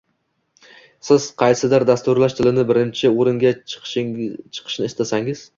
Siz qaysidir dasturlash tilida birinchi o’ringa chiqishni istasangiz